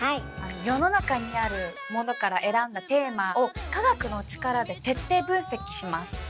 世の中にあるものから選んだテーマを科学の力で徹底分析します。